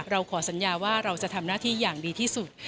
เราขอสัญญาว่าเราจะทำหน้าที่อย่างดีที่สุด